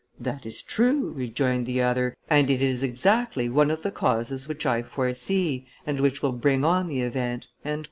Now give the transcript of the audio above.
"That is true," rejoined the other, "and it is exactly one of the causes which I foresee, and which will bring on the event."